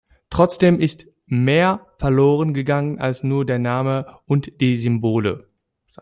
Trotzdem ist mehr verloren gegangen als nur der Name und die Symbole.